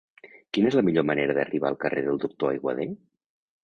Quina és la millor manera d'arribar al carrer del Doctor Aiguader?